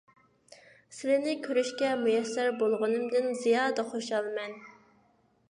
سىلىنى كۆرۈشكە مۇيەسسەر بولغىنىمدىن زىيادە خۇشالمەن.